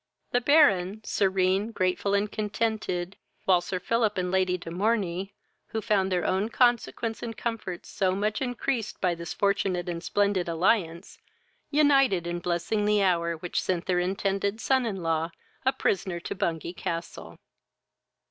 The Baron, serene, grateful, and contented, while Sir Philip and Lady de Morney, who found their own consequence and comforts so much increased by this fortunate and splendid alliance, united in blessing the hour which sent their intended son in law a prisoner to Bungay castle.